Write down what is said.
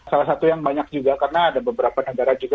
salah satu yang banyak juga karena ada beberapa negara juga